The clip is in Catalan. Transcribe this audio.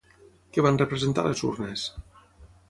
Què van representar les urnes?